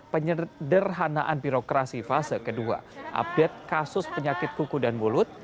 penyederhanaan birokrasi fase kedua update kasus penyakit kuku dan mulut